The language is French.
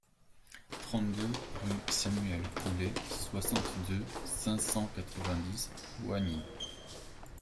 trente-deux rue Samuel Goulet, soixante-deux, cinq cent quatre-vingt-dix, Oignies